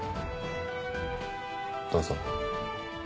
どうぞ。